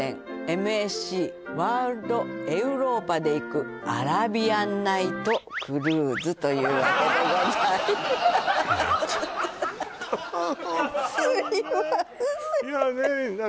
「ＭＳＣワールドエウローパで行く」「アラビアンナイト・クルーズ」というわけでございますいやちょっとすいません